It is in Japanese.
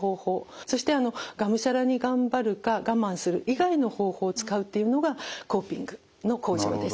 そしてがむしゃらに「頑張る」か「我慢する」以外の方法を使うっていうのがコーピングの向上です。